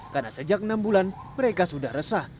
karena sejak enam bulan mereka sudah resah